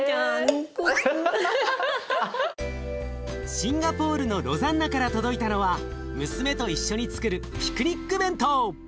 シンガポールのロザンナから届いたのは娘と一緒につくるピクニック弁当。